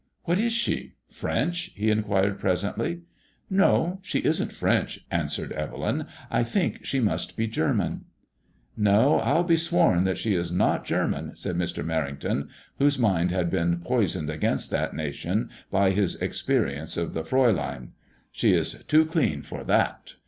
•• What is she ? French ?" he inquired, presently. " No, she isn't French," answered Evel3m. I think she must be German." " No, I'll be sworn that she is not German," said Mr. Mer rington, whose mind had been poisoned against that nation by MADBMOISBLLB IXB. 43 his experience of the Fraulein. " She is too clean for that."